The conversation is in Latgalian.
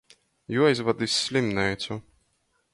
Juoaizvad iz slimineicu.